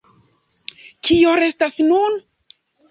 Kio restas nun?